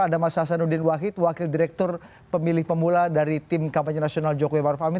ada mas hasanuddin wahid wakil direktur pemilih pemula dari tim kampanye nasional jokowi maruf amin